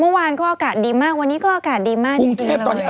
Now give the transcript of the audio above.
เมื่อวานก็อากาศดีมากวันนี้ก็อากาศดีมากจริงเลย